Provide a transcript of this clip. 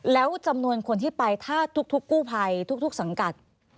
แล้วจำนวนคนที่ไปถ้าทุกกู้ภัยทุกสังกัด